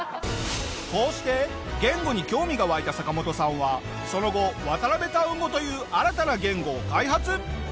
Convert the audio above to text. こうして言語に興味が湧いたサカモトさんはその後ワタナベタウン語という新たな言語を開発！